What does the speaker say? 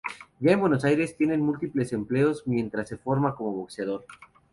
Ya en Buenos Aires, tiene múltiples empleos mientras se forma como boxeador.